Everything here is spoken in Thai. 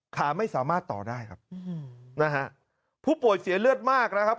ขาไม่สามารถต่อได้ครับนะฮะผู้ป่วยเสียเลือดมากนะครับ